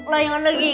lah yang mana lagi